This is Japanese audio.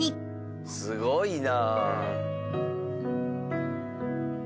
すごいな。